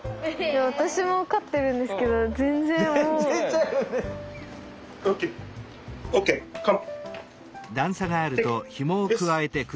私も飼ってるんですけど全然もう。